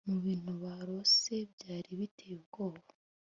Mubintu barose byari biteye ubwoba